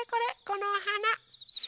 このおはな。